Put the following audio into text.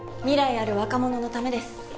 ある若者のためです